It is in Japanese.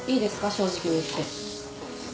正直に言って。